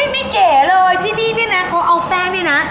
ไม่เก๋เลยที่นี่เนี่ยนะเขาเอาแป้งเนี่ยนะ